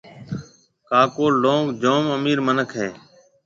ڪاڪو لونگ جوم امِير مِنک هيَ۔